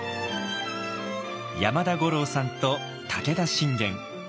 山田五郎さんと武田信玄。